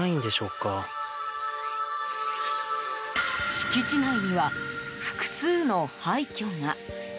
敷地内には複数の廃虚が。